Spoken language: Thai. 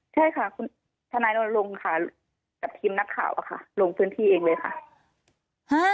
ใช่ค่ะทนายลุณลงค่ะกับทีมนักข่าวลงเพื่อนที่เองเลยค่ะ